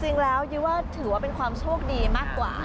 จริงแล้วยี่ว่าถือว่าเป็นความโชคดีมากกว่า